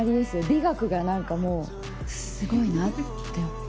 美学が何かもうすごいなって。